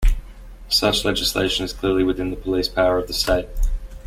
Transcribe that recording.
Such legislation is clearly within the police power of the state.